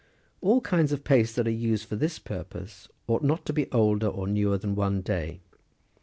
All kinds of paste that are used for this purpose, ought not to be older or newer than one day.